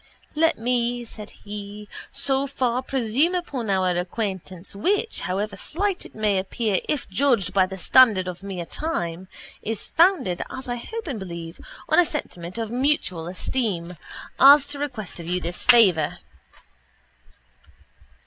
—Let me, said he, so far presume upon our acquaintance which, however slight it may appear if judged by the standard of mere time, is founded, as I hope and believe, on a sentiment of mutual esteem as to request of you this favour.